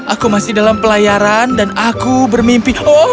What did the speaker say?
aku masih dalam pelayaran dan aku bermimpi